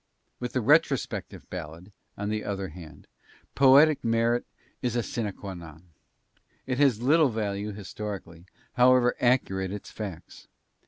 With the retrospective ballad, on the other hand, poetic merit is a sine qua non. It has little value historically, however accurate its facts.